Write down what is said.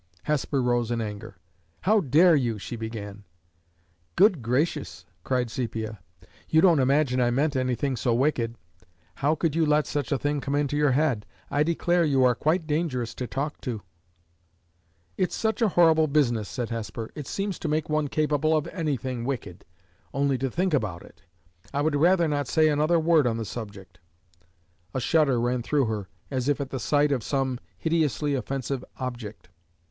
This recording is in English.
Hesper rose in anger. "How dare you " she began. "Good gracious!" cried Sepia, "you don't imagine I meant anything so wicked! How could you let such a thing come into your head? I declare you are quite dangerous to talk to!" "It's such a horrible business," said Hesper, "it seems to make one capable of anything wicked, only to think about it. I would rather not say another word on the subject." A shudder ran through her, as if at the sight of some hideously offensive object.